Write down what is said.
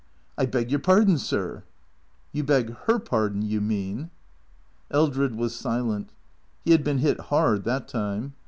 I beg your pardon, sir." " You beg her pardon, you mean." Eldred was silent. He had been hit hard, that time.